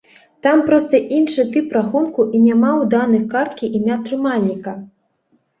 Там проста іншы тып рахунку і няма ў даных карткі імя трымальніка.